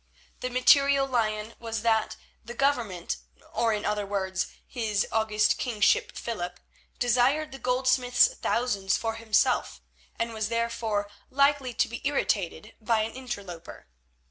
The material lion was that the Government, or in other words, his august kingship Philip, desired the goldsmith's thousands for himself, and was therefore likely to be irritated by an interloper.